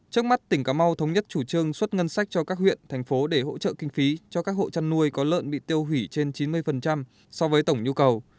trước mắt tỉnh cà mau thống nhất chủ trương xuất ngân sách cho các huyện thành phố để hỗ trợ kinh phí cho các hộ chăn nuôi có lợn bị tiêu hủy trên chín mươi so với tổng nhu cầu